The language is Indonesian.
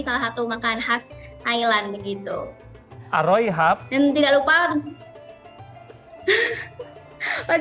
salah satu makanan khas thailand begitu dan tidak lupa aduh saya tidak bisa masuk thailand